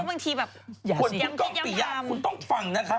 คุณต้องฟังนะครับ